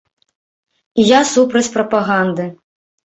І я супраць прапаганды.